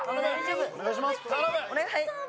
お願い！